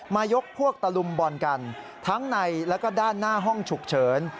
ยกพวกตะลุมบอลกันทั้งในแล้วก็ด้านหน้าห้องฉุกเฉิน